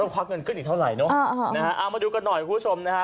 ควักเงินขึ้นอีกเท่าไหร่เนอะนะฮะเอามาดูกันหน่อยคุณผู้ชมนะฮะ